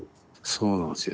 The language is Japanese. そうなんすよ。